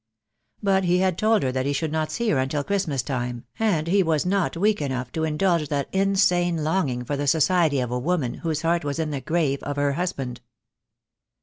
But he had told her that he should not see her until Christmas time, and he was not weak enough to indulge that insane longing for the society of a woman whose heart was in the grave of her husband.